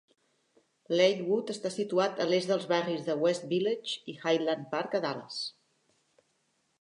Lakewood està situat a l'est dels barris de West Village i Highland Park a Dallas.